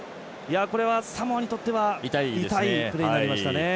これは、サモアにとっては痛いプレーになりましたね。